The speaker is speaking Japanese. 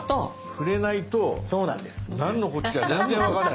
触れないとなんのこっちゃ全然分からない。